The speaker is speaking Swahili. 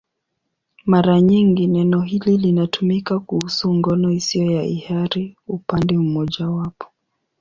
Mara nyingi neno hili linatumika kuhusu ngono isiyo ya hiari upande mmojawapo.